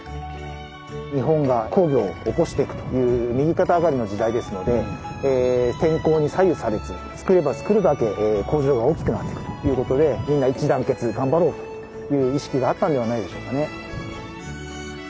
日本が鉱業を興していくという右肩上がりの時代ですので天候に左右されずつくればつくるだけ工場が大きくなっていくということでみんな一致団結で頑張ろうという意識があったんではないでしょうかね。